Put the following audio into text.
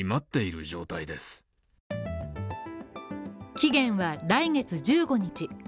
期限は来月１５日。